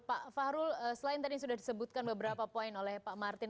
pak fahrul selain tadi sudah disebutkan beberapa poin oleh pak martin